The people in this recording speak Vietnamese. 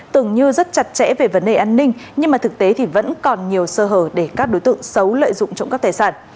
tưởng như rất chặt chẽ về vấn đề an ninh nhưng mà thực tế thì vẫn còn nhiều sơ hở để các đối tượng xấu lợi dụng trộm cắp tài sản